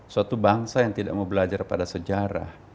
suatu bangsa yang tidak mau belajar pada sejarah